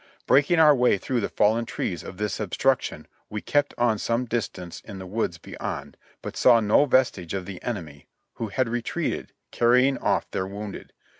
Breaking our way through the fallen trees of this obstruction we kept on some distance in the woods beyond, but saw no vestige of the enemy, who had re treated, carrying off their wounded.